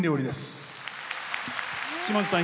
島津さん